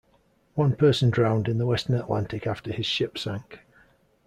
One person drowned in the western Atlantic after his ship sank.